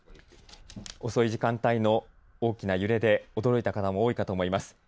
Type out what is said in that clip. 遅い時間帯の大きな揺れで驚いた方も多いかと思います。